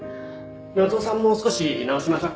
夏雄さんも少し直しましょ。